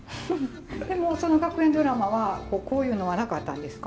でもその学園ドラマはこういうのはなかったんですか？